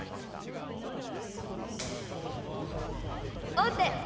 王手！